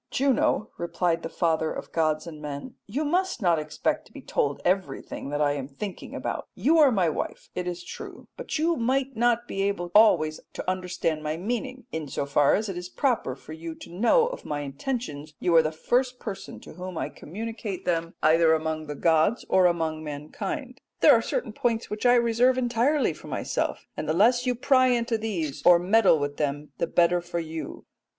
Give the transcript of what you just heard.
"'Juno,' replied the father of gods and men, 'you must not expect to be told everything that I am thinking about: you are my wife, it is true, but you might not be able always to understand my meaning; in so far as it is proper for you to know of my intentions you are the first person to whom I communicate them either among the gods or among mankind, but there are certain points which I reserve entirely for myself, and the less you try to pry into these, or meddle with them, the better for you.'"